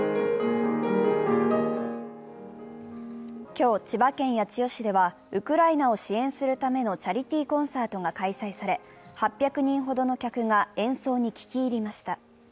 今日、千葉県八千代市ではウクライナを支援するためのチャリティーコンサートが開催され、８００人ほどの客が演奏に聞き入りました。